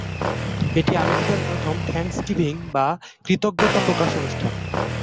এটি আমেরিকার প্রথম "থ্যাংকসগিভিং"বা কৃতজ্ঞতা প্রকাশ অনুষ্ঠান।